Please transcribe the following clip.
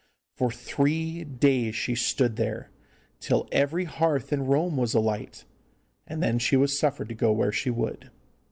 For three days she stood there, till every hearth in Rome was alight, and then she was suffered to go where she would.